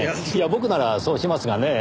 僕ならそうしますがねぇ。